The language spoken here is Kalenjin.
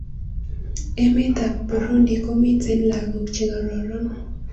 Emet ab Burundi komiten lakok che kararan